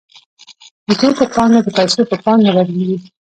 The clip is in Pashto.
د توکو پانګه د پیسو په پانګه بدلېږي